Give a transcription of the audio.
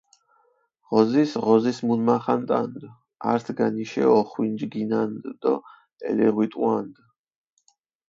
ღოზის, ღოზის მუნმახანტანდჷ, ართგანიშე ოხვინჯგინანდჷ დო ელეღვიტუანდჷ.